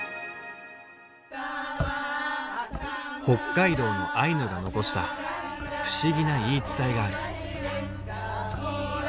北海道のアイヌが残した不思議な言い伝えがある。